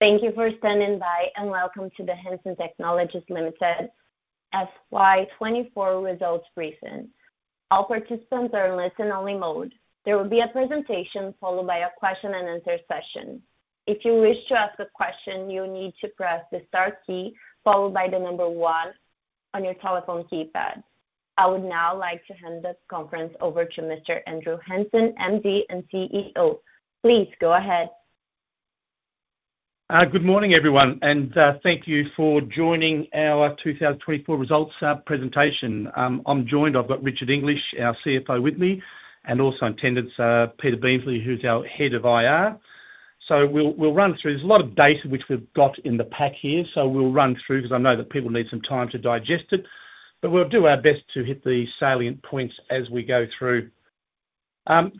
Thank you for standing by, and welcome to the Hansen Technologies Limited FY 24 results briefing. All participants are in listen-only mode. There will be a presentation followed by a question and answer session. If you wish to ask a question, you need to press the star key, followed by the number one on your telephone keypad. I would now like to hand this conference over to Mr. Andrew Hansen, MD and CEO. Please go ahead. Good morning, everyone, and thank you for joining our 2024 results presentation. I've got Richard English, our CFO, with me, and also in attendance, Peter Beamsley, who's our head of IR. So we'll run through this. There's a lot of data which we've got in the pack here, so we'll run through, 'cause I know that people need some time to digest it, but we'll do our best to hit the salient points as we go through.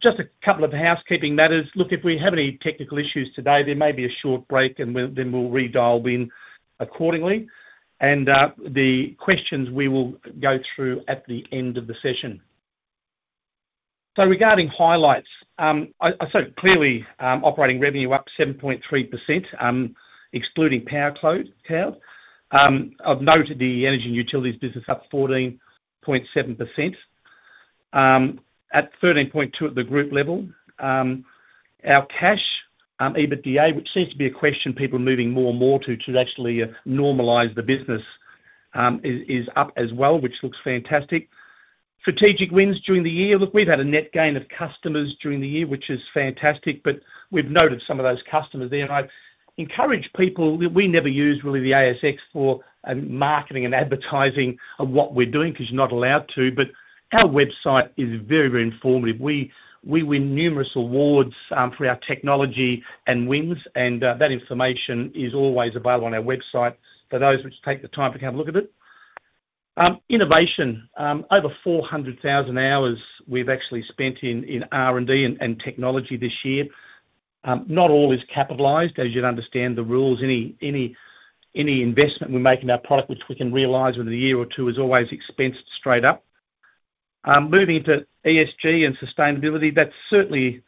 Just a couple of housekeeping matters. Look, if we have any technical issues today, there may be a short break, and then we'll redial in accordingly, and the questions we will go through at the end of the session. Regarding highlights, clearly, operating revenue up 7.3%, excluding Powercloud. I've noted the energy and utilities business up 14.7%, at 13.2% at the group level. Our cash EBITDA, which seems to be a question people are moving more and more to, to actually normalize the business, is up as well, which looks fantastic. Strategic wins during the year. Look, we've had a net gain of customers during the year, which is fantastic, but we've noted some of those customers there. I'd encourage people that we never use really the ASX for marketing and advertising of what we're doing, 'cause you're not allowed to. Our website is very, very informative. We win numerous awards for our technology and wins, and that information is always available on our website for those who take the time to have a look at it. Innovation. Over 400,000 hours we've actually spent in R&D and technology this year. Not all is capitalized, as you'd understand the rules. Any investment we make in our product, which we can realize within a year or two, is always expensed straight up. Moving into ESG and sustainability, that's certainly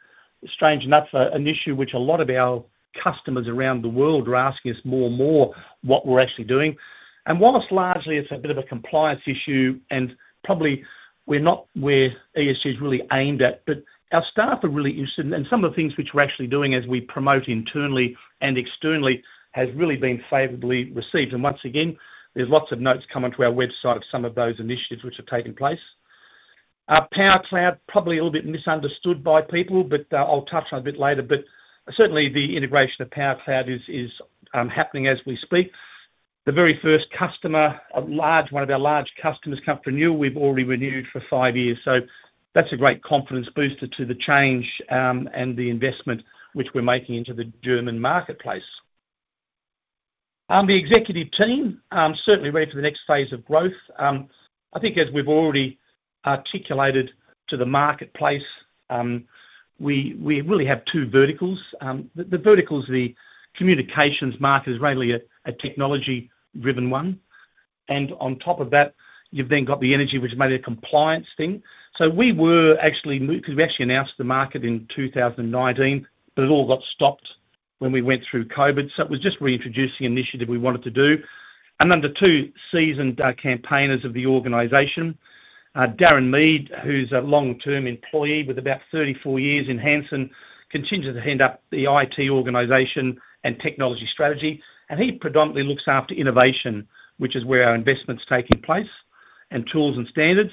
strangely enough an issue which a lot of our customers around the world are asking us more and more, what we're actually doing. And while largely it's a bit of a compliance issue, and probably we're not where ESG is really aimed at, but our staff are really interested, and some of the things which we're actually doing as we promote internally and externally has really been favorably received. And once again, there's lots of notes coming to our website of some of those initiatives which are taking place. Our Powercloud, probably a little bit misunderstood by people, but I'll touch on a bit later. But certainly, the integration of Powercloud is happening as we speak. The very first customer, one of our large customers, Comp Renew, we've already renewed for five years, so that's a great confidence booster to the change, and the investment which we're making into the German marketplace. The executive team certainly ready for the next phase of growth. I think as we've already articulated to the marketplace, we really have two verticals. The verticals, the communications market is really a technology-driven one, and on top of that, you've then got the energy, which is mainly a compliance thing. So 'cause we actually announced the market in 2019, but it all got stopped when we went through COVID. So it was just reintroducing initiative we wanted to do. And under two seasoned campaigners of the organization, Darren Mead, who's a long-term employee with about 34 years in Hansen, continues to head up the IT organization and technology strategy. And he predominantly looks after innovation, which is where our investment's taking place, and tools and standards.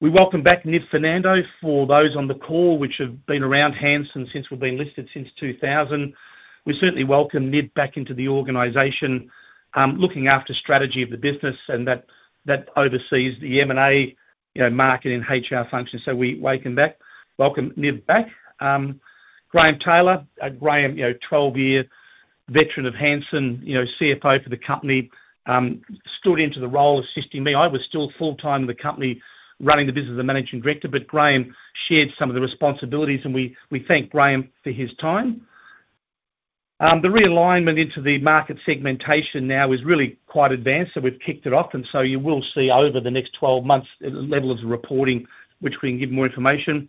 We welcome back Nip Fernando. For those on the call, which have been around Hansen since we've been listed since 2000, we certainly welcome Nip back into the organization, looking after strategy of the business, and that oversees the M&A, you know, marketing and HR functions. So we welcome back, welcome Nip back. Graeme Taylor. Graeme, you know, 12-year veteran of Hansen, you know, CFO for the company, stood into the role assisting me. I was still full-time in the company, running the business as managing director, but Graeme shared some of the responsibilities, and we thank Graeme for his time. The realignment into the market segmentation now is really quite advanced, so we've kicked it off, and so you will see over the next 12 months the level of the reporting, which we can give more information.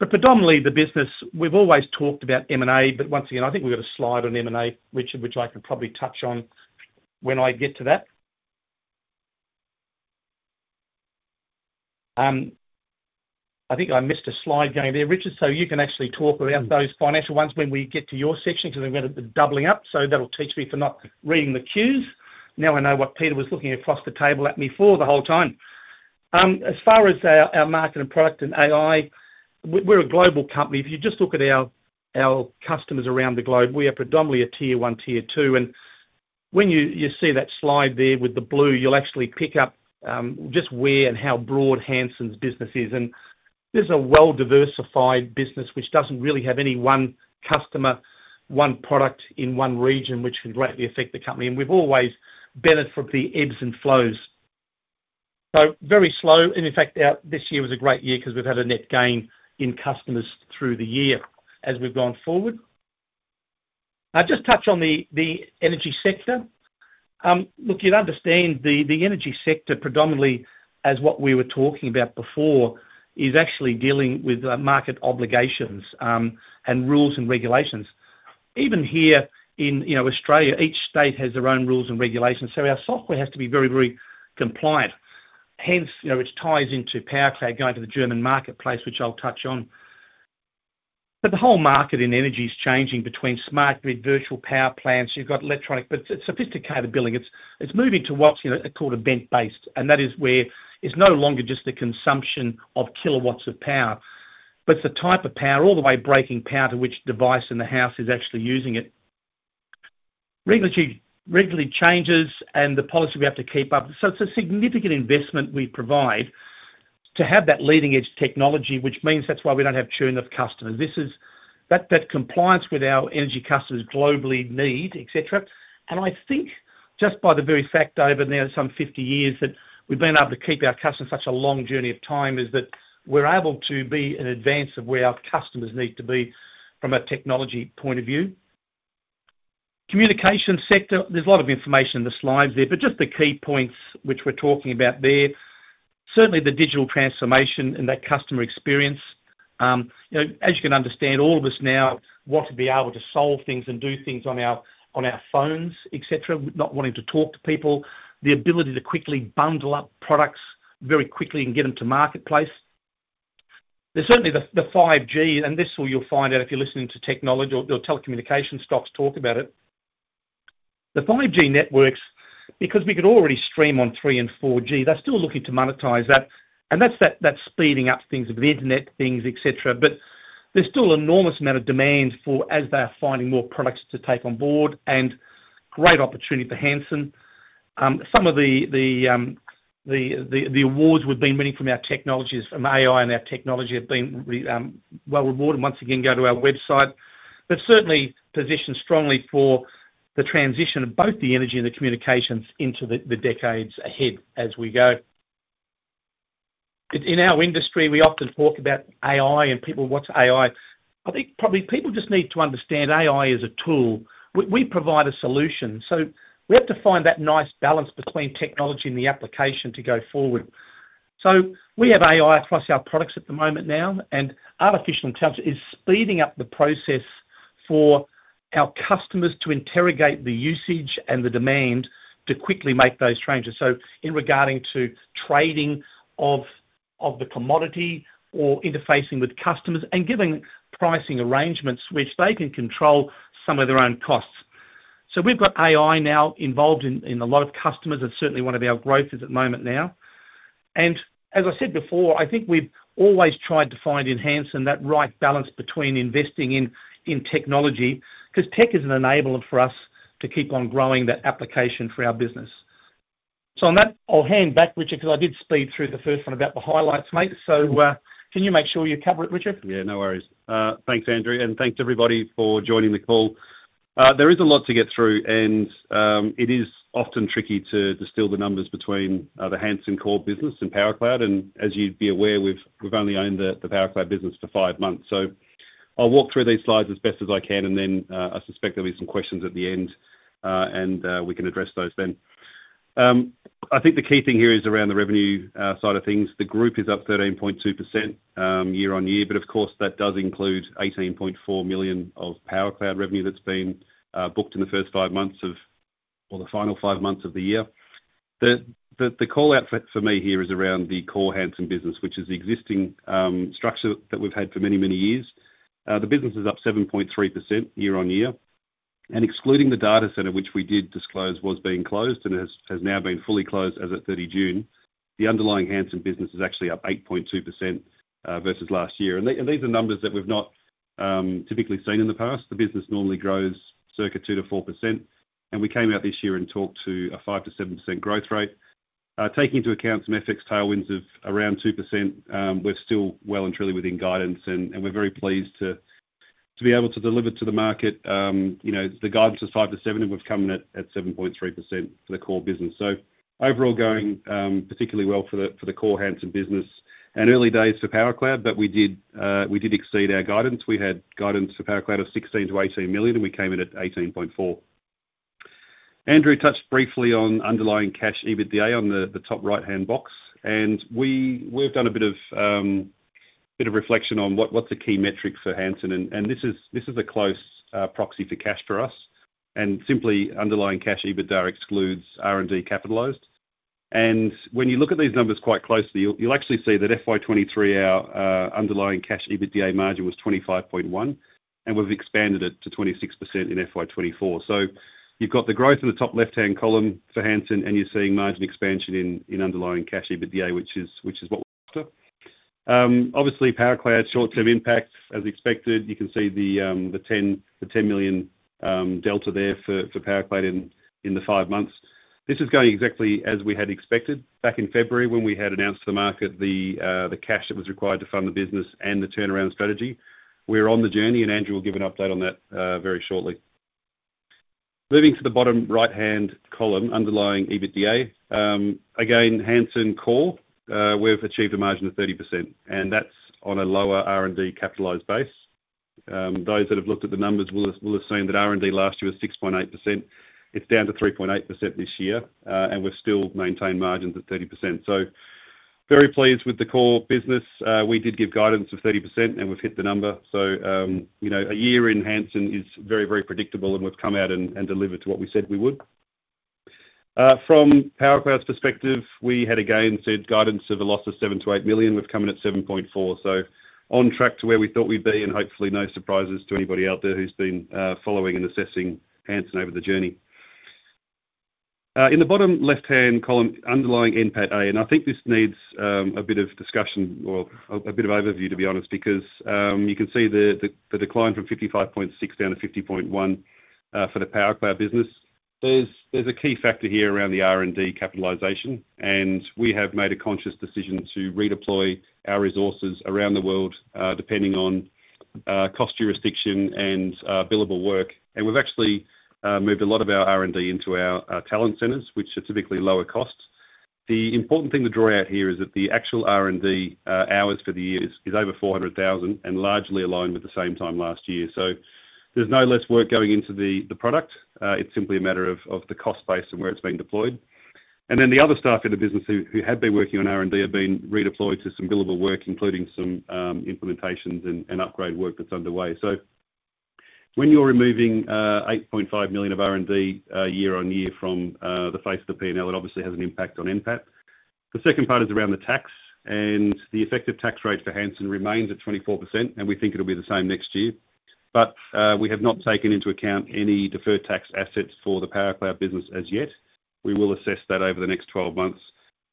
But predominantly, the business, we've always talked about M&A, but once again, I think we've got a slide on M&A, which I could probably touch on when I get to that. I think I missed a slide going there, Richard, so you can actually talk about those financial ones when we get to your section, because we've got the doubling up, so that'll teach me for not reading the cues. Now I know what Peter was looking across the table at me for the whole time. As far as our market and product and AI, we're a global company. If you just look at our customers around the globe, we are predominantly a tier one, tier two. And when you see that slide there with the blue, you'll actually pick up just where and how broad Hansen's business is. This is a well-diversified business, which doesn't really have any one customer, one product in one region, which can greatly affect the company, and we've always benefited from the ebbs and flows. Very slow, and in fact, this year was a great year 'cause we've had a net gain in customers through the year as we've gone forward. I'll just touch on the energy sector. Look, you'd understand the energy sector, predominantly, as what we were talking about before, is actually dealing with market obligations, and rules and regulations. Even here in, you know, Australia, each state has their own rules and regulations, so our software has to be very, very compliant. Hence, you know, which ties into Powercloud going to the German marketplace, which I'll touch on. The whole market in energy is changing between smart grid, virtual power plants. You’ve got electronic, but it’s sophisticated billing. It’s moving to what’s, you know, called event-based, and that is where it’s no longer just the consumption of kilowatts of power. But the type of power, all the way breaking power to which device in the house is actually using it. Regulation regularly changes and the policy we have to keep up. So it’s a significant investment we provide to have that leading-edge technology, which means that’s why we don’t have churn of customers. This is that compliance with our energy customers globally need, et cetera. I think just by the very fact, over now some fifty years, that we’ve been able to keep our customers such a long journey of time, is that we’re able to be in advance of where our customers need to be from a technology point of view. Communication sector, there's a lot of information in the slides there, but just the key points which we're talking about there. Certainly, the digital transformation and that customer experience, you know, as you can understand, all of us now want to be able to solve things and do things on our phones, et cetera, not wanting to talk to people. The ability to quickly bundle up products very quickly and get them to marketplace. But certainly the 5G, and this is where you'll find out if you're listening to technology or telecommunication stocks talk about it. The 5G networks, because we could already stream on 3G and 4G, they're still looking to monetize that, and that's the speeding up things of the internet, things, et cetera. But there's still an enormous amount of demand for as they are finding more products to take on board, and great opportunity for Hansen. Some of the awards we've been winning from our technologies, from AI and our technology have been well rewarded. Once again, go to our website. But certainly positioned strongly for the transition of both the energy and the communications into the decades ahead as we go. In our industry, we often talk about AI and people, "What's AI?" I think probably people just need to understand AI is a tool. We provide a solution, so we have to find that nice balance between technology and the application to go forward. So we have AI across our products at the moment now, and artificial intelligence is speeding up the process for our customers to interrogate the usage and the demand to quickly make those changes. So in regard to trading of the commodity or interfacing with customers and giving pricing arrangements, which they can control some of their own costs. So we've got AI now involved in a lot of customers and certainly one of our growth is at the moment now. And as I said before, I think we've always tried to find in Hansen that right balance between investing in technology, 'cause tech is an enabler for us to keep on growing that application for our business. So on that, I'll hand back, Richard, because I did speed through the first one about the highlights, mate. So can you make sure you cover it, Richard? Yeah, no worries. Thanks, Andrew, and thanks to everybody for joining the call. There is a lot to get through, and it is often tricky to distill the numbers between the Hansen core business and Powercloud, and as you'd be aware, we've only owned the Powercloud business for five months, so I'll walk through these slides as best as I can, and then I suspect there'll be some questions at the end, and we can address those then. I think the key thing here is around the revenue side of things. The group is up 13.2% year on year, but of course, that does include 18.4 million of Powercloud revenue that's been booked in the first five months of or the final five months of the year. The call out for me here is around the core Hansen business, which is the existing structure that we've had for many, many years. The business is up 7.3% year on year, and excluding the data center, which we did disclose, was being closed and has now been fully closed as at 30 June. The underlying Hansen business is actually up 8.2% versus last year. And these are numbers that we've not typically seen in the past. The business normally grows circa 2-4%, and we came out this year and talked to a 5-7% growth rate. Taking into account some FX tailwinds of around 2%, we're still well and truly within guidance, and we're very pleased to be able to deliver to the market. You know, the guidance was 5%-7%, and we've come in at 7.3% for the core business. Overall, going particularly well for the core Hansen business. Early days for Powercloud, but we did exceed our guidance. We had guidance for Powercloud of 16-18 million, and we came in at 18.4. Andrew touched briefly on underlying cash EBITDA on the top right-hand box, and we've done a bit of reflection on what's a key metric for Hansen. This is a close proxy for cash for us, and simply, underlying cash EBITDA excludes R&D capitalized. And when you look at these numbers quite closely, you'll actually see that FY 2023, our underlying cash EBITDA margin was 25.1%, and we've expanded it to 26% in FY 2024. So you've got the growth in the top left-hand column for Hansen, and you're seeing margin expansion in underlying cash EBITDA, which is what we're after. Obviously, Powercloud short-term impact, as expected, you can see the 10 million delta there for Powercloud in the five months. This is going exactly as we had expected back in February, when we had announced to the market the cash that was required to fund the business and the turnaround strategy. We're on the journey, and Andrew will give an update on that very shortly. Moving to the bottom right-hand column, underlying EBITDA. Again, Hansen core, we've achieved a margin of 30%, and that's on a lower R&D capitalized base. Those that have looked at the numbers will have seen that R&D last year was 6.8%. It's down to 3.8% this year, and we've still maintained margins at 30%. Very pleased with the core business. We did give guidance of 30%, and we've hit the number. You know, a year in Hansen is very, very predictable, and we've come out and delivered to what we said we would. From powercloud's perspective, we had again said guidance of a loss of 7 million-8 million. We've come in at 7.4, so on track to where we thought we'd be and hopefully no surprises to anybody out there who's been following and assessing Hansen over the journey. In the bottom left-hand column, underlying NPATA, and I think this needs a bit of discussion or a bit of overview, to be honest, because you can see the decline from 55.6 down to 50.1 for the Powercloud business. There's a key factor here around the R&D capitalization, and we have made a conscious decision to redeploy our resources around the world, depending on cost, jurisdiction, and billable work. We've actually moved a lot of our R&D into our talent centers, which are typically lower costs. The important thing to draw out here is that the actual R&D hours for the year is over 400,000 and largely aligned with the same time last year. So there's no less work going into the product. It's simply a matter of the cost base and where it's being deployed. And then the other staff in the business who had been working on R&D have been redeployed to some billable work, including some implementations and upgrade work that's underway. So when you're removing 8.5 million of R&D year on year from the face of the P&L, it obviously has an impact on NPAT. The second part is around the tax, and the effective tax rate for Hansen remains at 24%, and we think it'll be the same next year. But we have not taken into account any deferred tax assets for the Powercloud business as yet. We will assess that over the next twelve months.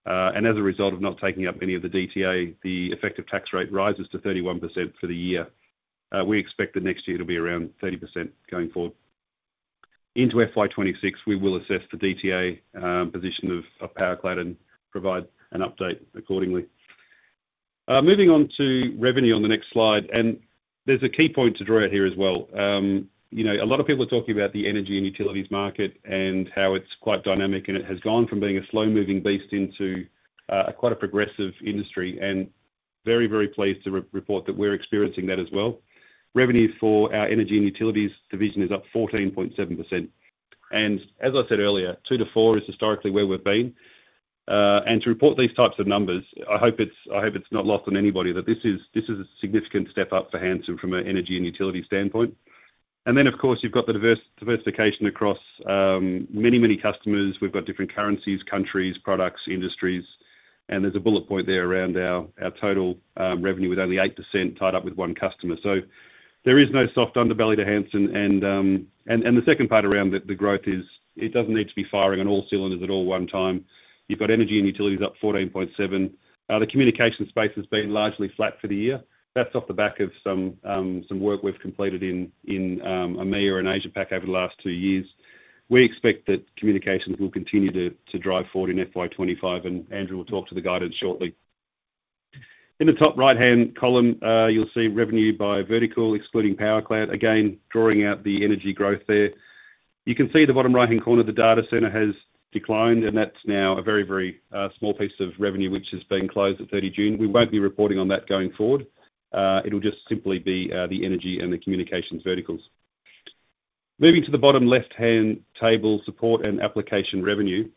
And as a result of not taking up any of the DTA, the effective tax rate rises to 31% for the year. We expect that next year to be around 30% going forward. Into FY 26, we will assess the DTA position of Powercloud and provide an update accordingly. Moving on to revenue on the next slide, and there's a key point to draw out here as well. You know, a lot of people are talking about the energy and utilities market and how it's quite dynamic, and it has gone from being a slow-moving beast into quite a progressive industry, and very, very pleased to report that we're experiencing that as well. Revenue for our energy and utilities division is up 14.7%. And as I said earlier, 2%-4% is historically where we've been. And to report these types of numbers, I hope it's, I hope it's not lost on anybody, that this is, this is a significant step up for Hansen from an energy and utility standpoint. And then, of course, you've got the diversification across many, many customers. We've got different currencies, countries, products, industries, and there's a bullet point there around our total revenue, with only 8% tied up with one customer. So there is no soft underbelly to Hansen. And the second part around the growth is it doesn't need to be firing on all cylinders at all one time. You've got energy and utilities up 14.7. The communication space has been largely flat for the year. That's off the back of some work we've completed in EMEA and Asia Pac over the last two years. We expect that communications will continue to drive forward in FY 25, and Andrew will talk to the guidance shortly. In the top right-hand column, you'll see revenue by vertical, excluding Powercloud, again, drawing out the energy growth there. You can see the bottom right-hand corner, the data center has declined, and that's now a very small piece of revenue which has been closed at thirty June. We won't be reporting on that going forward. It'll just simply be the energy and the communications verticals. Moving to the bottom left-hand table, support and application revenue.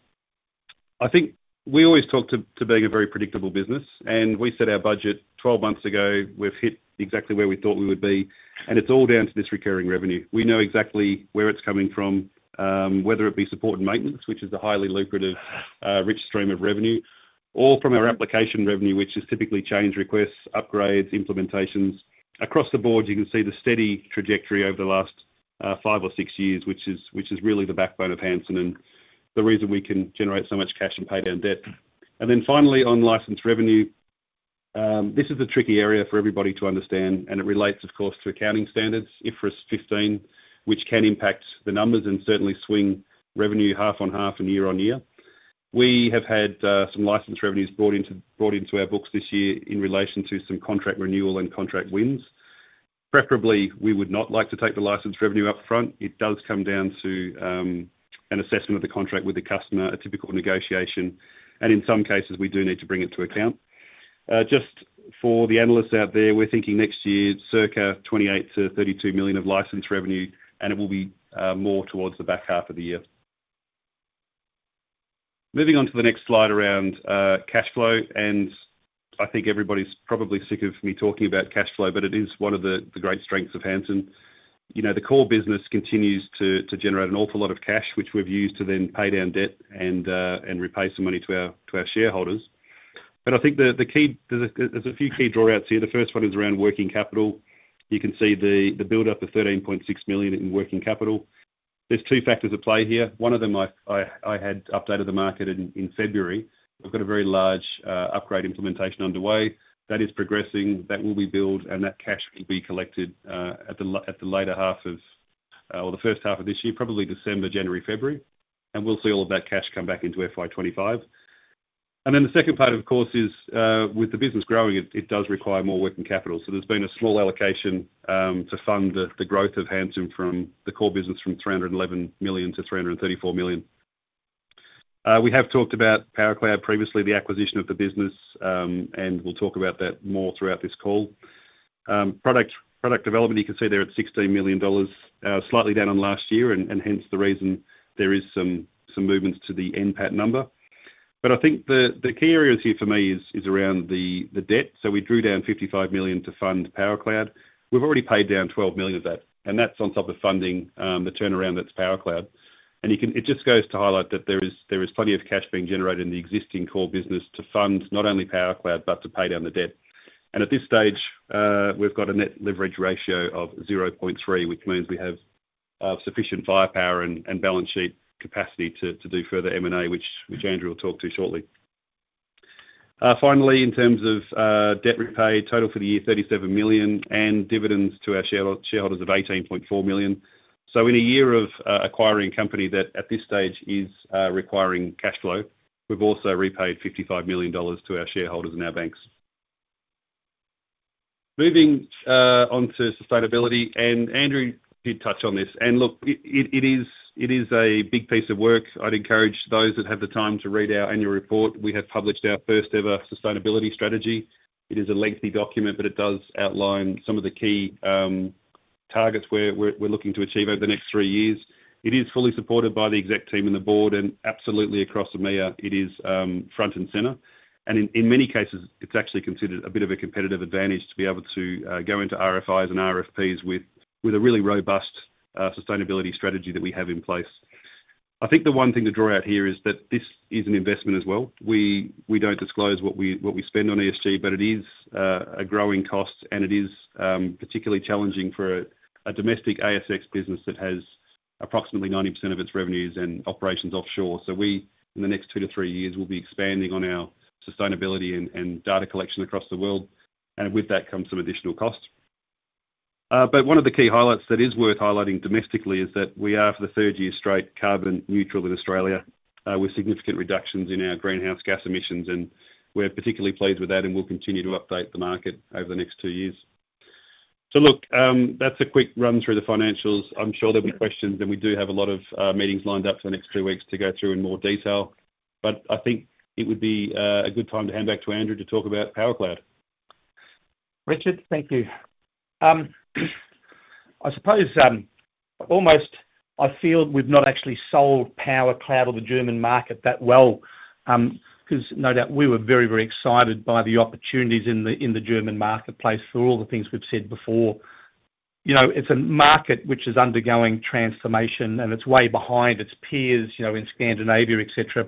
I think we always talk about being a very predictable business, and we set our budget twelve months ago. We've hit exactly where we thought we would be, and it's all down to this recurring revenue. We know exactly where it's coming from, whether it be support and maintenance, which is a highly lucrative rich stream of revenue, or from our application revenue, which is typically change requests, upgrades, implementations. Across the board, you can see the steady trajectory over the last five or six years, which is really the backbone of Hansen and the reason we can generate so much cash and pay down debt. And then finally, on license revenue, this is a tricky area for everybody to understand, and it relates, of course, to accounting standards, IFRS 15, which can impact the numbers and certainly swing revenue half on half and year on year. We have had some license revenues brought into our books this year in relation to some contract renewal and contract wins. Preferably, we would not like to take the license revenue up front. It does come down to an assessment of the contract with the customer, a typical negotiation, and in some cases, we do need to bring it to account. Just for the analysts out there, we're thinking next year, circa 28-32 million of license revenue, and it will be more towards the back half of the year. Moving on to the next slide around cash flow, and I think everybody's probably sick of me talking about cash flow, but it is one of the great strengths of Hansen. You know, the core business continues to generate an awful lot of cash, which we've used to then pay down debt and repay some money to our shareholders. But I think the key. There's a few key takeaways here. The first one is around working capital. You can see the buildup of 13.6 million in working capital. There's two factors at play here. One of them I had updated the market in February. We've got a very large upgrade implementation underway. That is progressing, that will be billed, and that cash will be collected at the latter half of or the first half of this year, probably December, January, February, and we'll see all of that cash come back into FY 2025, and then the second part, of course, is with the business growing, it does require more working capital, so there's been a small allocation to fund the growth of Hansen from the core business from 311 million to 334 million. We have talked about Powercloud previously, the acquisition of the business, and we'll talk about that more throughout this call. Product development, you can see there at 16 million dollars, slightly down on last year, and hence the reason there is some movements to the NPAT number. But I think the key areas here for me is around the debt. So we drew down 55 million to fund Powercloud. We've already paid down 12 million of that, and that's on top of funding the turnaround that's Powercloud. And it just goes to highlight that there is plenty of cash being generated in the existing core business to fund not only Powercloud, but to pay down the debt. And at this stage, we've got a net leverage ratio of 0.3, which means we have sufficient firepower and balance sheet capacity to do further M&A, which Andrew will talk to shortly. Finally, in terms of debt repaid, total for the year, 37 million, and dividends to our shareholders of 18.4 million. In a year of acquiring a company that at this stage is requiring cash flow, we've also repaid 55 million dollars to our shareholders and our banks. Moving onto sustainability, and Andrew did touch on this. Look, it is a big piece of work. I'd encourage those that have the time to read our annual report. We have published our first-ever sustainability strategy. It is a lengthy document, but it does outline some of the key targets we're looking to achieve over the next three years. It is fully supported by the exec team and the board, and absolutely across the EMEA, it is front and center. In many cases, it's actually considered a bit of a competitive advantage to be able to go into RFIs and RFPs with a really robust sustainability strategy that we have in place. I think the one thing to draw out here is that this is an investment as well. We don't disclose what we spend on ESG, but it is a growing cost, and it is particularly challenging for a domestic ASX business that has approximately 90% of its revenues and operations offshore. We, in the next two to three years, will be expanding on our sustainability and data collection across the world, and with that comes some additional costs. But one of the key highlights that is worth highlighting domestically is that we are, for the third year straight, carbon neutral in Australia, with significant reductions in our greenhouse gas emissions, and we're particularly pleased with that, and we'll continue to update the market over the next two years. So look, that's a quick run through the financials. I'm sure there'll be questions, and we do have a lot of meetings lined up for the next two weeks to go through in more detail, but I think it would be a good time to hand back to Andrew to talk about Powercloud. Richard, thank you. I suppose almost I feel we've not actually sold Powercloud or the German market that well, 'cause no doubt, we were very, very excited by the opportunities in the German marketplace for all the things we've said before. You know, it's a market which is undergoing transformation, and it's way behind its peers, you know, in Scandinavia, et cetera.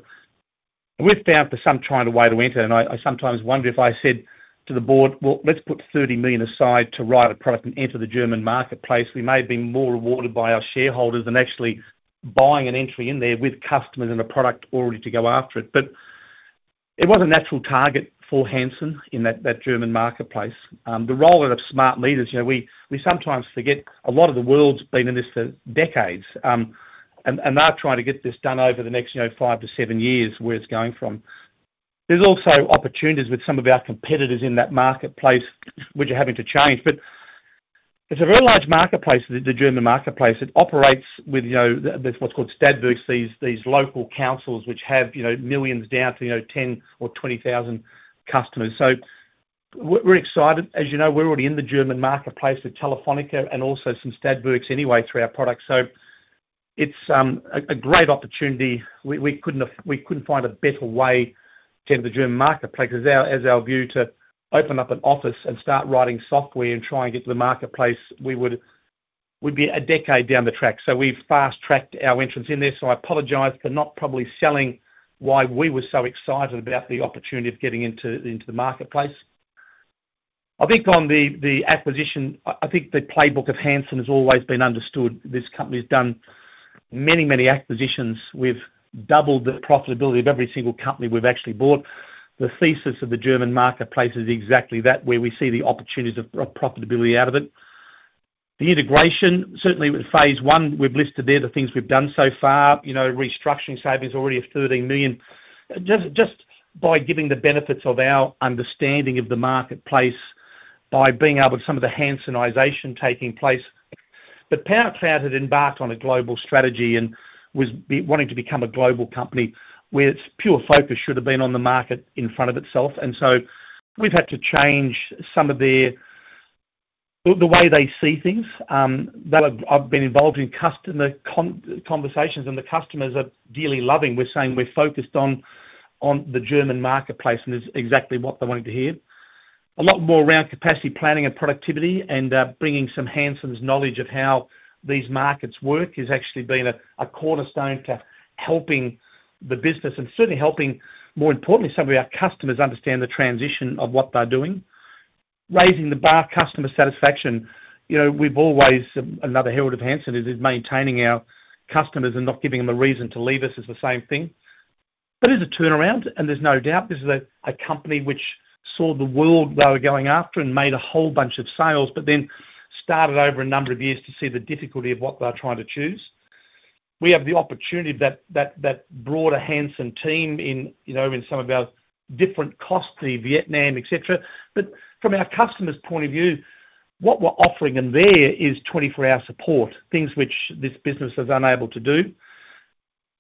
We've been trying for some time to find a way to enter, and I sometimes wonder if I said to the board: Well, let's put 30 million aside to write a product and enter the German marketplace. We may have been more rewarded by our shareholders than actually buying an entry in there with customers and a product already to go after it. But it was a natural target for Hansen in that German marketplace. The role of smart leaders, you know, we sometimes forget a lot of the world's been in this for decades, and they're trying to get this done over the next, you know, five to seven years, where it's going from. There's also opportunities with some of our competitors in that marketplace, which are having to change. But it's a very large marketplace, the German marketplace. It operates with, you know, the, there's what's called Stadtwerke, these local councils which have, you know, millions down to, you know, 10 or 20,000 customers. So we're excited. As you know, we're already in the German marketplace with Telefónica and also some Stadtwerke anyway, through our products. So it's a great opportunity. We couldn't find a better way to enter the German marketplace, as our view to open up an office and start writing software and try and get to the marketplace, we'd be a decade down the track. So we've fast-tracked our entrance in there. So I apologize for not probably selling why we were so excited about the opportunity of getting into the marketplace. I think on the acquisition, I think the playbook of Hansen has always been understood. This company's done many, many acquisitions. We've doubled the profitability of every single company we've actually bought. The thesis of the German marketplace is exactly that, where we see the opportunities of profitability out of it. The integration, certainly with phase I, we've listed there the things we've done so far, you know, restructuring savings already of 13 million. Just by giving the benefits of our understanding of the marketplace, by being able to see some of the Hansenization taking place, but Powercloud had embarked on a global strategy and was beginning to want to become a global company, where its pure focus should have been on the market in front of itself, and so we've had to change some of the, the way they see things. That I've been involved in customer conversations, and the customers are really loving. We're saying we're focused on the German marketplace, and it's exactly what they wanted to hear. A lot more around capacity planning and productivity and bringing some Hansen's knowledge of how these markets work has actually been a cornerstone to helping the business and certainly helping, more importantly, some of our customers understand the transition of what they're doing. Raising the bar, customer satisfaction, you know, we've always... Another hallmark of Hansen is maintaining our customers and not giving them a reason to leave us is the same thing. But there's a turnaround, and there's no doubt this is a company which saw the world they were going after and made a whole bunch of sales, but then started over a number of years to see the difficulty of what they were trying to choose. We have the opportunity that broader Hansen team in, you know, in some of our different costs to Vietnam, et cetera. But from our customers' point of view... What we're offering them there is 24-hour support, things which this business is unable to do.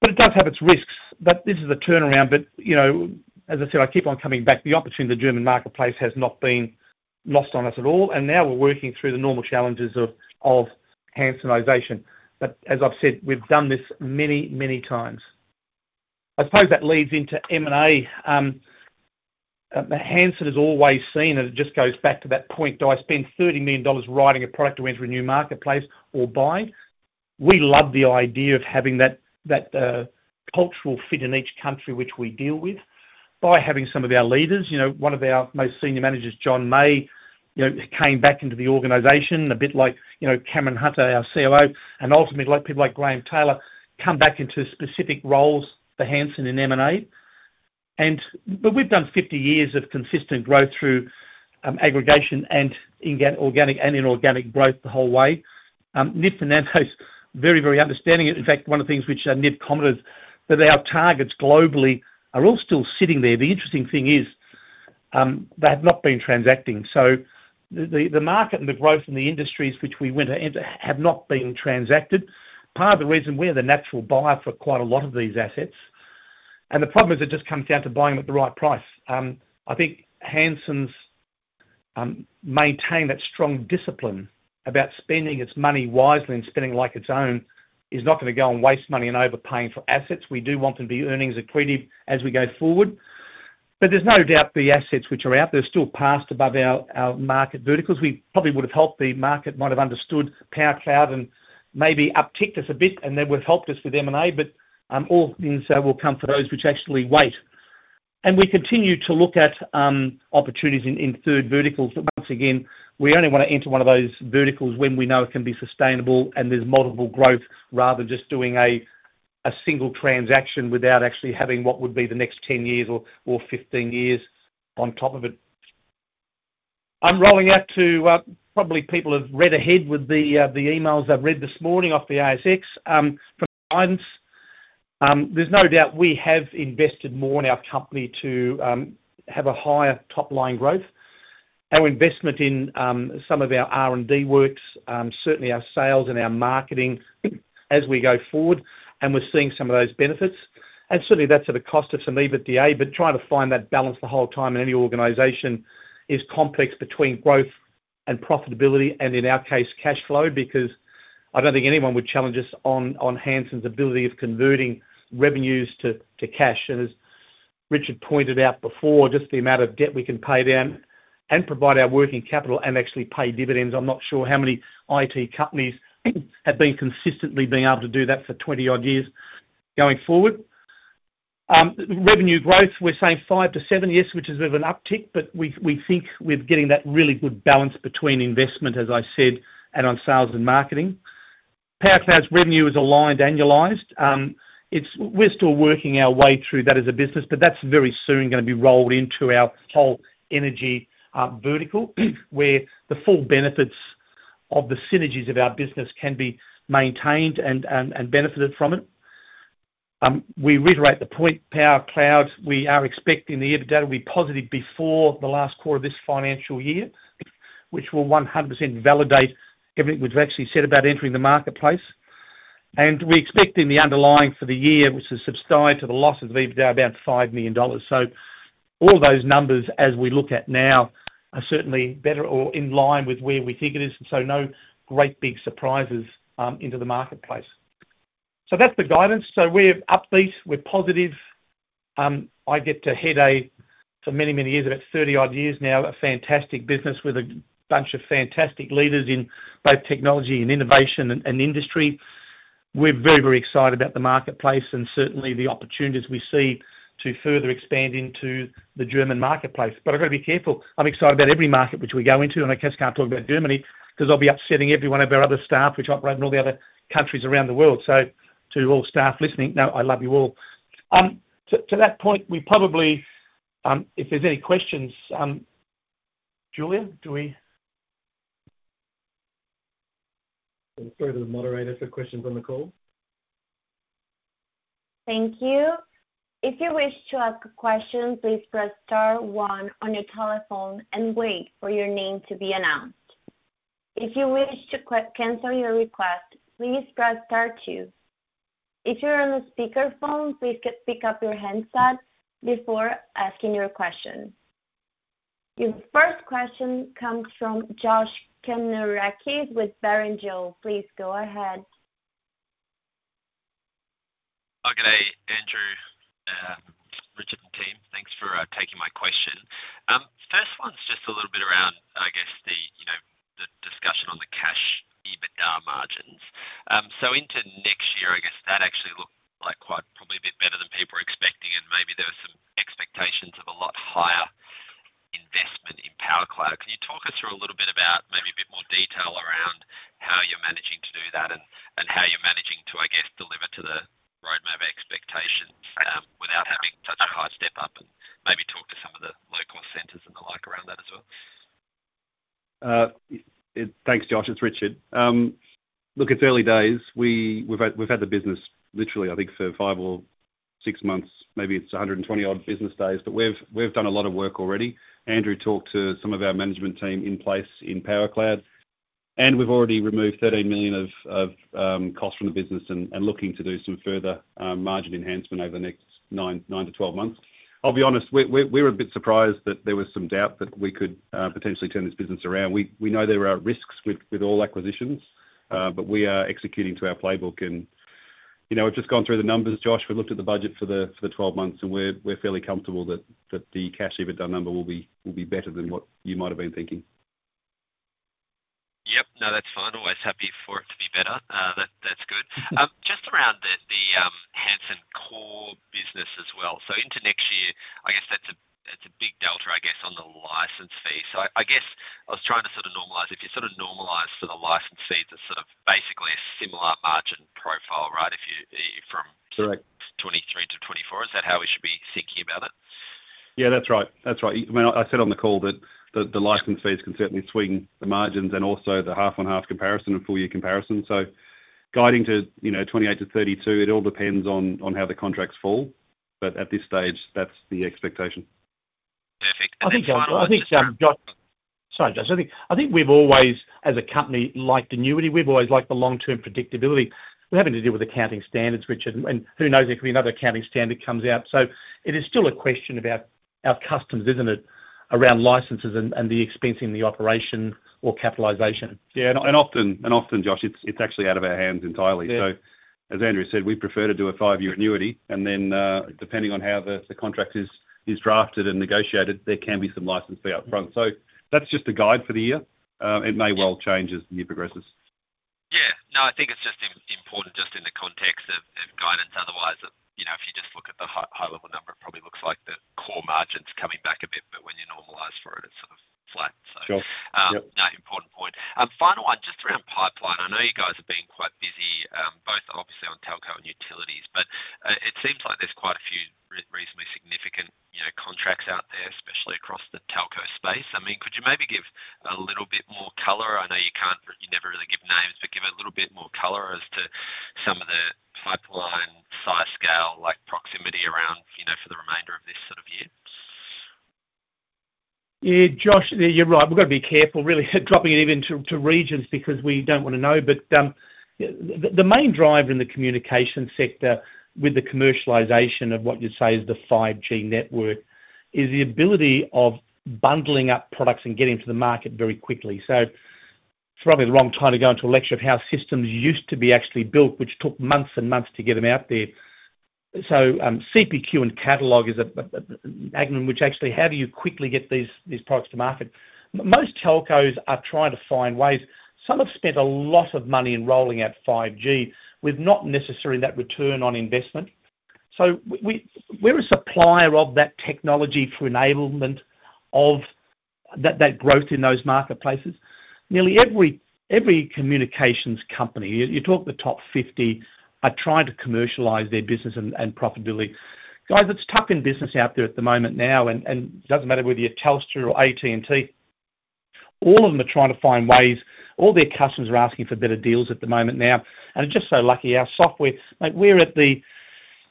But it does have its risks, but this is a turnaround. But, you know, as I said, I keep on coming back. The opportunity in the German marketplace has not been lost on us at all, and now we're working through the normal challenges of Hansenization. But as I've said, we've done this many, many times. I suppose that leads into M&A. The Hansen has always seen, and it just goes back to that point, do I spend 30 million dollars writing a product to enter a new marketplace or buy? We love the idea of having that cultural fit in each country which we deal with by having some of our leaders. You know, one of our most senior managers, John May, you know, came back into the organization a bit like, you know, Cameron Hunter, our COO, and ultimately, like people like Graeme Taylor, come back into specific roles for Hansen in M&A. But we've done fifty years of consistent growth through aggregation and organic and inorganic growth the whole way. Nip and Antonio very, very understanding. In fact, one of the things which Nip commented, that our targets globally are all still sitting there. The interesting thing is, they have not been transacting, market and the growth in the industries which we went into have not been transacted. Part of the reason we are the natural buyer for quite a lot of these assets, and the problem is it just comes down to buying them at the right price. I think Hansen's maintain that strong discipline about spending its money wisely and spending like its own, is not going to go and waste money on overpaying for assets. We do want them to be earnings accretive as we go forward. But there's no doubt the assets which are out there are still passed above our market verticals. We probably would have helped the market, might have understood Powercloud and maybe upticked us a bit, and then would've helped us with M&A, but all things that will come for those which actually wait. And we continue to look at opportunities in third verticals, but once again, we only want to enter one of those verticals when we know it can be sustainable and there's multiple growth, rather than just doing a single transaction without actually having what would be the next ten years or fifteen years on top of it. I'm rolling out to probably people have read ahead with the emails I've read this morning off the ASX from guidance. There's no doubt we have invested more in our company to have a higher top-line growth. Our investment in some of our R&D works certainly our sales and our marketing as we go forward, and we're seeing some of those benefits. And certainly, that's at a cost of some EBITDA, but trying to find that balance the whole time in any organization is complex between growth and profitability, and in our case, cash flow, because I don't think anyone would challenge us on Hansen's ability of converting revenues to cash. And as Richard pointed out before, just the amount of debt we can pay down and provide our working capital and actually pay dividends. I'm not sure how many IT companies have been consistently able to do that for 20-odd years going forward. Revenue growth, we're saying five to seven, yes, which is a bit of an uptick, but we think we're getting that really good balance between investment, as I said, and on sales and marketing. Powercloud's revenue is aligned, annualized. We're still working our way through that as a business, but that's very soon going to be rolled into our whole energy vertical, where the full benefits of the synergies of our business can be maintained and benefited from it. We reiterate the point, Powercloud, we are expecting the EBITDA to be positive before the last quarter of this financial year, which will 100% validate everything we've actually said about entering the marketplace. We expect in the underlying for the year, which subsides to the loss of EBITDA, about 5 million dollars. So all those numbers, as we look at now, are certainly better or in line with where we think it is, so no great big surprises into the marketplace. So that's the guidance. So we're upbeat, we're positive. I get to head a, for many, many years, about thirty-odd years now, a fantastic business with a bunch of fantastic leaders in both technology and innovation and industry. We're very, very excited about the marketplace and certainly the opportunities we see to further expand into the German marketplace. But I've got to be careful. I'm excited about every market which we go into, and I guess I can't talk about Germany because I'll be upsetting every one of our other staff which operate in all the other countries around the world. So to all staff listening, know I love you all. To that point, we probably if there's any questions, Julia, do we...? Let's go to the moderator for questions on the call. Thank you. If you wish to ask a question, please press star one on your telephone and wait for your name to be announced. If you wish to cancel your request, please press star two. If you're on a speakerphone, please pick up your handset before asking your question. Your first question comes from Josh Kannourakis with Barrenjoey. Please go ahead. Hi, good day, Andrew, Richard, and team. Thanks for taking my question. First one's just a little bit around, I guess, the, you know, the discussion on the cash EBITDA margins. So into next year, I guess that actually looked like quite probably a bit better than people were expecting, and maybe there were some expectations of a lot higher investment in Powercloud. Can you talk us through a little bit about maybe a bit more detail around how you're managing to do that, and how you're managing to, I guess, deliver to the roadmap expectations, without having such a high step up? And maybe talk to some of the low-cost centers and the like around that as well. Thanks, Josh. It's Richard. Look, it's early days. We've had the business literally, I think, for five or six-... six months, maybe it's 120 odd business days, but we've done a lot of work already. Andrew talked to some of our management team in place in Powercloud, and we've already removed 13 million of costs from the business and looking to do some further margin enhancement over the next 9 to 12 months. I'll be honest, we're a bit surprised that there was some doubt that we could potentially turn this business around. We know there are risks with all acquisitions, but we are executing to our playbook. And, you know, we've just gone through the numbers, Josh. We looked at the budget for the 12 months, and we're fairly comfortable that the cash EBITDA number will be better than what you might have been thinking. Yep. No, that's fine. Always happy for it to be better. That, that's good. Just around the Hansen core business as well. So into next year, I guess that's a big delta, I guess, on the license fee. So I guess I was trying to sort of normalize. If you sort of normalize for the license fees, it's sort of basically a similar margin profile, right? If you, from- Correct. 2023-2024. Is that how we should be thinking about it? Yeah, that's right. That's right. I mean, I said on the call that the license fees can certainly swing the margins and also the half on half comparison and full year comparison. So guiding to, you know, 28%-32%, it all depends on how the contracts fall. But at this stage, that's the expectation. Perfect. I think, Josh. Sorry, Josh. I think we've always, as a company, liked annuity. We've always liked the long-term predictability. We're having to deal with accounting standards, which, and who knows, there could be another accounting standard comes out. So it is still a question about our customers, isn't it, around licenses and the expensing, the operating or capitalization? Yeah, and often, Josh, it's actually out of our hands entirely. Yeah. As Andrew said, we prefer to do a five-year annuity, and then, depending on how the contract is drafted and negotiated, there can be some license fee up front. That's just a guide for the year. It may well change as the year progresses. Yeah. No, I think it's just important just in the context of guidance. Otherwise, you know, if you just look at the high-level number, it probably looks like the core margin's coming back a bit, but when you normalize for it, it's sort of flat. Sure. Yep. No important point. Final one, just around pipeline. I know you guys have been quite busy, both obviously on telco and utilities, but it seems like there's quite a few reasonably significant, you know, contracts out there, especially across the telco space. I mean, could you maybe give a little bit more color? I know you can't. You never really give names, but give a little bit more color as to some of the pipeline size, scale, like proximity around, you know, for the remainder of this sort of year. Yeah, Josh, you're right. We've got to be careful really dropping it even to regions because we don't want to know. But the main driver in the communication sector with the commercialization of what you'd say is the 5G network is the ability of bundling up products and getting to the market very quickly. So it's probably the wrong time to go into a lecture of how systems used to be actually built, which took months and months to get them out there. So CPQ and catalog is a panacea, which actually how do you quickly get these products to market? Most telcos are trying to find ways. Some have spent a lot of money in rolling out 5G with not necessarily that return on investment. So we, we're a supplier of that technology for enablement of that growth in those marketplaces. Nearly every communications company you talk the top 50 are trying to commercialize their business and profitability. Guys, it's tough in business out there at the moment now, and it doesn't matter whether you're Telstra or AT&T. All of them are trying to find ways. All their customers are asking for better deals at the moment now, and just so lucky, our software, like, we're at the...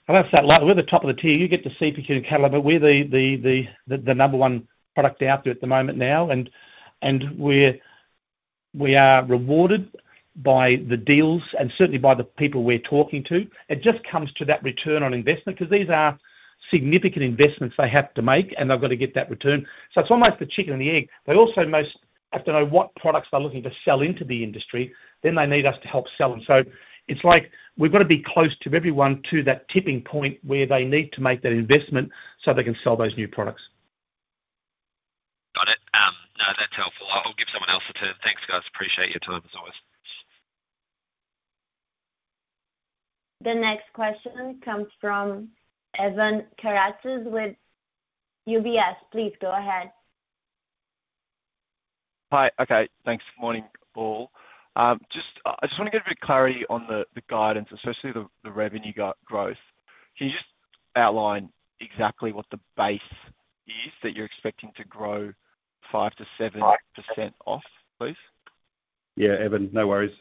I say luck, we're at the top of the tier. You get the CPQ and catalog, but we're the number one product out there at the moment now. And we are rewarded by the deals and certainly by the people we're talking to. It just comes to that return on investment, because these are significant investments they have to make, and they've got to get that return, so it's almost the chicken and the egg. They also must have to know what products they're looking to sell into the industry, then they need us to help sell them, so it's like, we've got to be close to everyone to that tipping point where they need to make that investment, so they can sell those new products. Got it. No, that's helpful. I'll give someone else a turn. Thanks, guys. Appreciate your time, as always. The next question comes from Evan Karatzas with UBS. Please go ahead. Hi. Okay, thanks. Good morning, Paul. Just, I just want to get a bit of clarity on the guidance, especially the revenue growth. Can you just outline exactly what the base is that you're expecting to grow 5%-7% off, please? Yeah, Evan, no worries.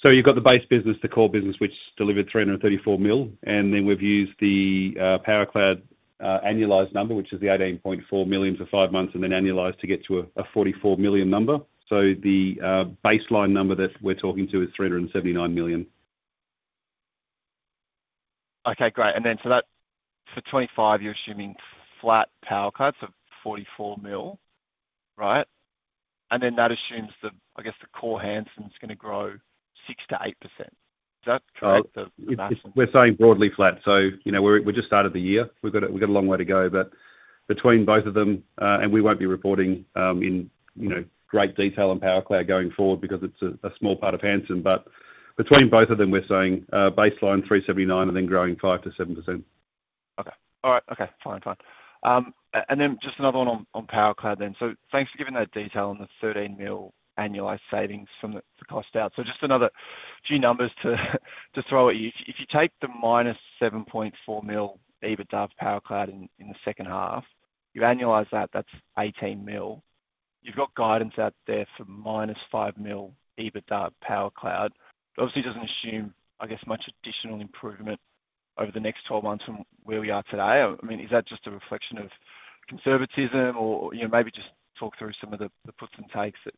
So you've got the base business, the core business, which delivered 334 million, and then we've used the powercloud annualized number, which is the 18.4 million for five months, and then annualized to get to a 44 million number. So the baseline number that we're talking to is 379 million. Okay, great. And then, so that's for 2025, you're assuming flat Powercloud of 44 million, right? And then that assumes the, I guess, the core Hansen is going to grow 6%-8%. Is that correct? We're saying broadly flat, so you know, we just started the year. We've got a long way to go, but between both of them, and we won't be reporting in, you know, great detail on Powercloud going forward because it's a small part of Hansen. But between both of them, we're saying baseline 379, and then growing 5%-7%. Okay. All right. Okay, fine. And then just another one on Powercloud then. So thanks for giving that detail on the 13 mil annualized savings from the cost out. So just another few numbers to throw at you. If you take the -7.4 mil EBITDA of Powercloud in the second half, you annualize that, that's 18 mil. You've got guidance out there for -5 mil EBITDA Powercloud. Obviously, doesn't assume, I guess, much additional improvement over the next 12 months from where we are today. I mean, is that just a reflection of conservatism? Or, you know, maybe just talk through some of the puts and takes that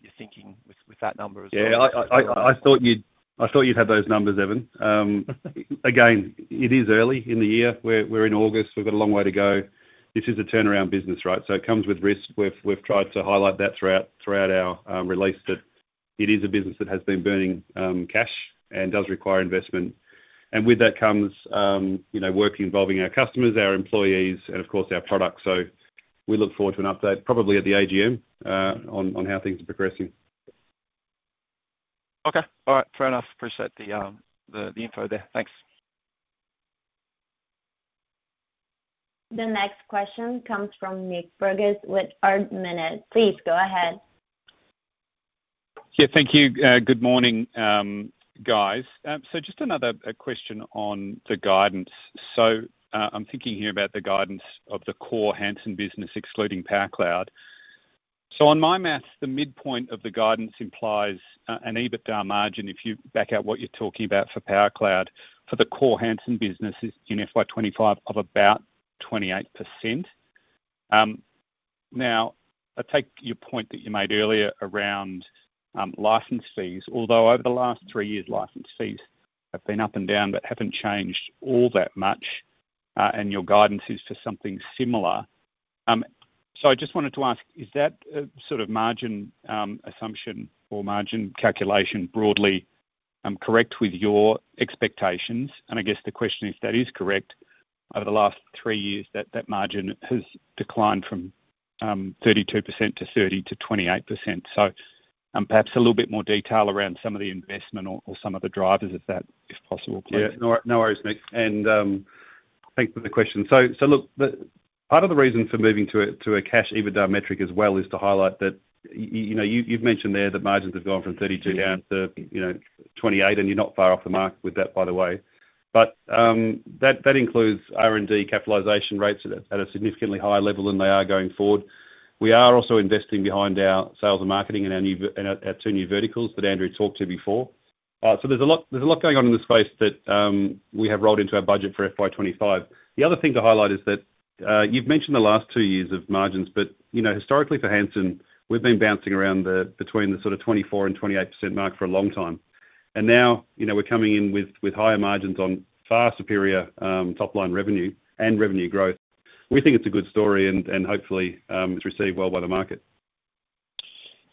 you're thinking with that number as well? Yeah, I thought you'd have those numbers, Evan. Again, it is early in the year. We're in August. We've got a long way to go. This is a turnaround business, right? So it comes with risk. We've tried to highlight that throughout our release, that it is a business that has been burning cash and does require investment. And with that comes, you know, work involving our customers, our employees, and of course, our products. So we look forward to an update, probably at the AGM, on how things are progressing. Okay, all right. Fair enough. Appreciate the info there. Thanks. The next question comes from Nick Burgess with Ord Minnett. Please go ahead. Yeah, thank you. Good morning, guys. So just another question on the guidance. So, I'm thinking here about the guidance of the core Hansen business, excluding PowerCloud. So on my math, the midpoint of the guidance implies an EBITDA margin, if you back out what you're talking about for PowerCloud. For the core Hansen business, it's in FY 2025 of about 28%. Now, I take your point that you made earlier around license fees, although over the last three years, license fees have been up and down, but haven't changed all that much, and your guidance is to something similar. So I just wanted to ask, is that sort of margin assumption or margin calculation broadly correct with your expectations? I guess the question, if that is correct, over the last three years, that margin has declined from 32% to 30% to 28%. So, perhaps a little bit more detail around some of the investment or some of the drivers of that, if possible, please. Yeah, no, no worries, Nick, and thanks for the question. So look, the part of the reason for moving to a cash EBITDA metric as well is to highlight that, you know, you've mentioned there that margins have gone from 32 down to, you know, 28, and you're not far off the mark with that, by the way. But that includes R&D capitalization rates at a significantly higher level than they are going forward. We are also investing behind our sales and marketing and our new and our two new verticals that Andrew talked to before. So there's a lot going on in the space that we have rolled into our budget for FY 2025. The other thing to highlight is that, you've mentioned the last two years of margins, but, you know, historically, for Hansen, we've been bouncing around between the sort of 24%-28% mark for a long time. And now, you know, we're coming in with higher margins on far superior top-line revenue and revenue growth. We think it's a good story, and hopefully, it's received well by the market.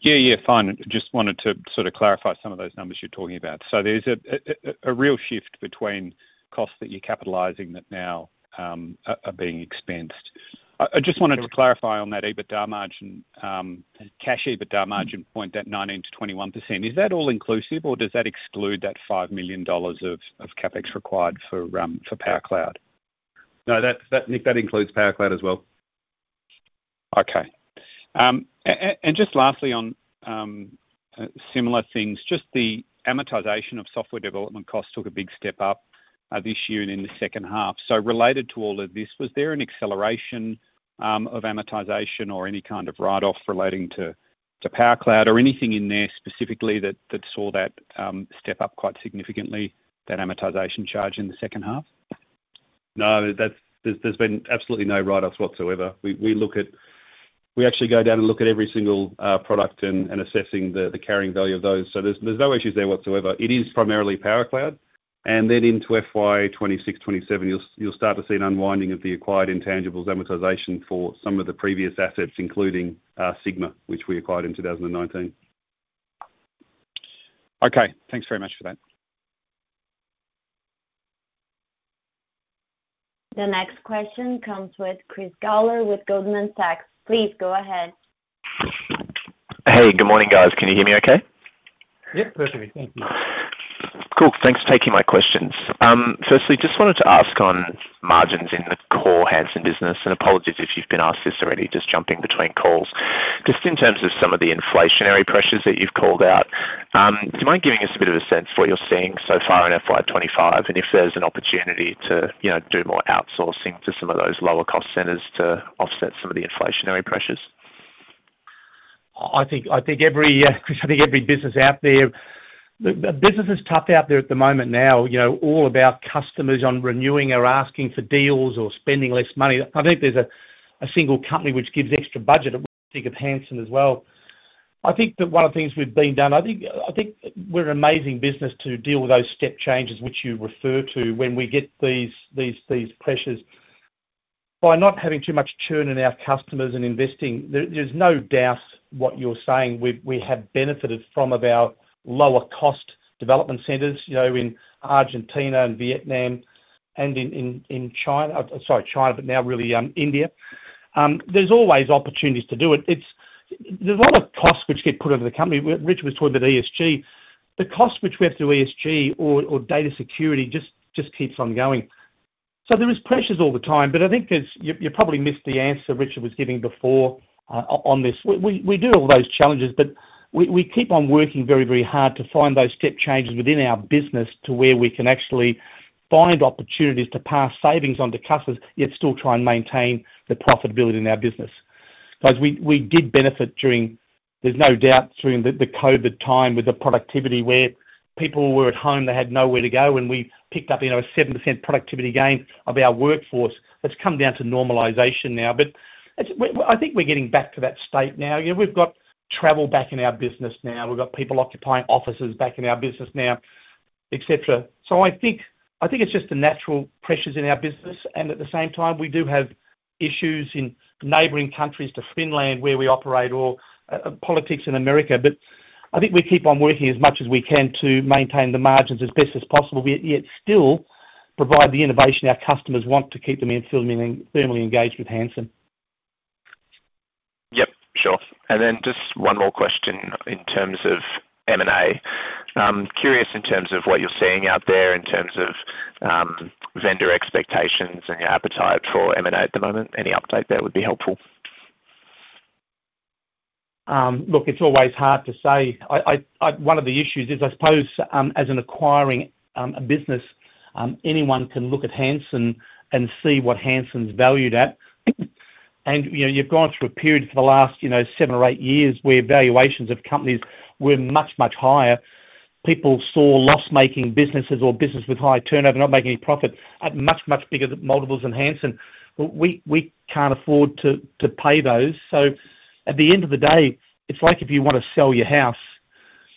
Yeah, yeah, fine. Just wanted to sort of clarify some of those numbers you're talking about. So there's a real shift between costs that you're capitalizing that now are being expensed. I just wanted to clarify on that EBITDA margin, cash EBITDA margin point, that 19%-21%. Is that all inclusive, or does that exclude that 5 million dollars of CapEx required for Powercloud? No, that, Nick, that includes Powercloud as well. Okay. And just lastly on, similar things, just the amortization of software development costs took a big step up, this year and in the second half. So related to all of this, was there an acceleration of amortization or any kind of write-off relating to Powercloud or anything in there specifically that saw that step up quite significantly, that amortization charge in the second half? No, that's. There's been absolutely no write-offs whatsoever. We look at. We actually go down and look at every single product and assessing the carrying value of those. So there's no issues there whatsoever. It is primarily Powercloud, and then into FY 2026, 2027, you'll start to see an unwinding of the acquired intangibles amortization for some of the previous assets, including Sigma, which we acquired in 2019. Okay, thanks very much for that. The next question comes with Chris Gawler with Goldman Sachs. Please go ahead. Hey, good morning, guys. Can you hear me okay? Yep, perfectly. Thank you. Cool. Thanks for taking my questions. Firstly, just wanted to ask on margins in the core Hansen business, and apologies if you've been asked this already, just jumping between calls. Just in terms of some of the inflationary pressures that you've called out, do you mind giving us a bit of a sense of what you're seeing so far in FY 2025? And if there's an opportunity to, you know, do more outsourcing to some of those lower cost centers to offset some of the inflationary pressures. I think every business out there, the business is tough out there at the moment now, you know, all about customers on renewing or asking for deals or spending less money. I don't think there's a single company which gives extra budget of Hansen as well. I think that one of the things we've been done, I think we're an amazing business to deal with those step changes which you refer to when we get these pressures. By not having too much churn in our customers and investing, there's no doubt what you're saying, we have benefited from about lower cost development centers, you know, in Argentina and Vietnam and in China, sorry, China, but now really India. There's always opportunities to do it. There's a lot of costs which get put into the company. Which was talking about ESG. The cost which we have to ESG or data security just keeps on going. So there is pressures all the time, but I think there's... You probably missed the answer Richard was giving before, on this. We do all those challenges, but we keep on working very hard to find those step changes within our business to where we can actually find opportunities to pass savings on to customers, yet still try and maintain the profitability in our business. Guys, we did benefit during, there's no doubt, during the COVID time with the productivity, where people were at home, they had nowhere to go, and we picked up, you know, a 7% productivity gain of our workforce. That's come down to normalization now. We, I think we're getting back to that state now. You know, we've got travel back in our business now. We've got people occupying offices back in our business now, et cetera, so I think it's just the natural pressures in our business, and at the same time, we do have issues in neighboring countries to Finland, where we operate, or politics in America, but I think we keep on working as much as we can to maintain the margins as best as possible, yet still provide the innovation our customers want to keep them firmly engaged with Hansen. Yep, sure. And then just one more question in terms of M&A. Curious in terms of what you're seeing out there in terms of vendor expectations and your appetite for M&A at the moment. Any update there would be helpful. Look, it's always hard to say. One of the issues is, I suppose, as an acquiring a business, anyone can look at Hansen and see what Hansen's valued at. And, you know, you've gone through a period for the last, you know, seven or eight years, where valuations of companies were much, much higher. People saw loss-making businesses or business with high turnover, not making any profit, at much, much bigger multiples than Hansen. But we can't afford to pay those. So at the end of the day, it's like if you want to sell your house,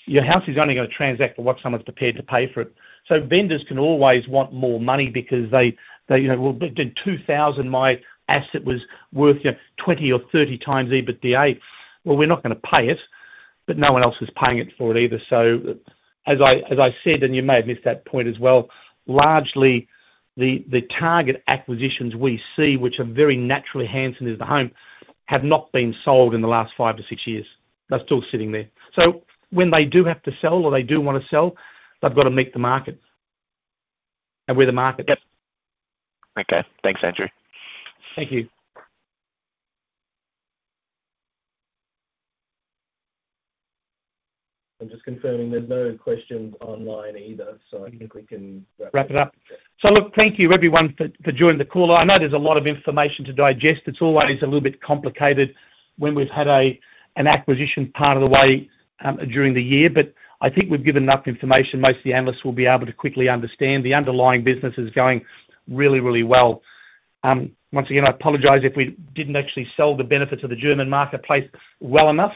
your house is only going to transact for what someone's prepared to pay for it. So vendors can always want more money because they, you know... In 2000, my asset was worth, you know, 20 or 30x EBITDA." We're not going to pay it, but no one else is paying it for it either. As I said, and you may have missed that point as well, largely, the target acquisitions we see, which are very naturally Hansen into the home, have not been sold in the last 5-6 years. They're still sitting there. When they do have to sell or they do want to sell, they've got to meet the market. We're the market. Yep. Okay. Thanks, Andrew. Thank you. I'm just confirming there's no questions online either, so I think we can wrap- Wrap it up? Yeah. So look, thank you, everyone, for joining the call. I know there's a lot of information to digest. It's always a little bit complicated when we've had an acquisition part of the way during the year, but I think we've given enough information. Most of the analysts will be able to quickly understand the underlying business is going really, really well. Once again, I apologize if we didn't actually sell the benefits of the German marketplace well enough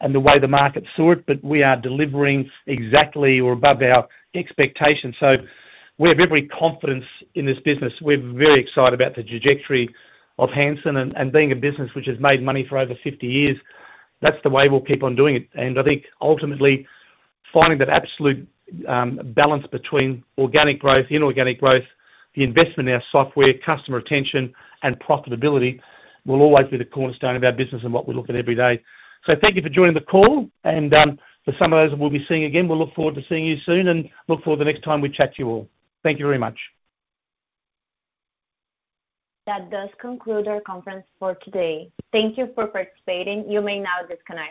and the way the market saw it, but we are delivering exactly or above our expectations. So we have every confidence in this business. We're very excited about the trajectory of Hansen and being a business which has made money for over fifty years. That's the way we'll keep on doing it, and I think ultimately, finding that absolute balance between organic growth, inorganic growth, the investment in our software, customer retention, and profitability, will always be the cornerstone of our business and what we look at every day. So thank you for joining the call and, for some of those, we'll be seeing you again. We'll look forward to seeing you soon and look forward to the next time we chat you all. Thank you very much. That does conclude our conference for today. Thank you for participating. You may now disconnect.